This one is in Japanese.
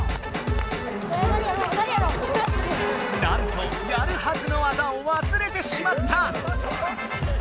なんとやるはずの技をわすれてしまった！